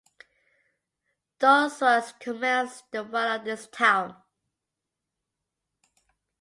Dioscorides commends the wine of this town.